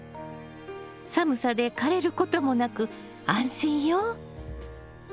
寒さで枯れることもなく安心よ。